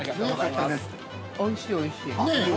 ◆おいしいおいしい。